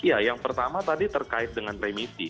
ya yang pertama tadi terkait dengan remisi